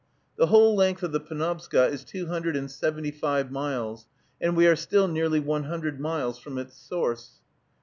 The whole length of the Penobscot is two hundred and seventy five miles, and we are still nearly one hundred miles from its source.